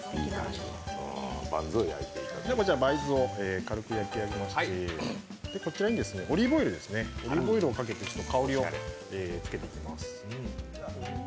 バンズを軽く焼きまして、こちらにオリーブオイルをかけて香りをつけていきます。